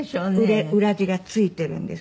で裏地が付いているんです。